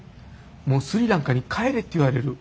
もうスリランカに帰れって言われる。